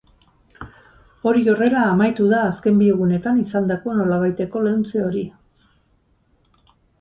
Hori horrela, amaitu da azken bi egunetan izandako nolabaiteko leuntze hori.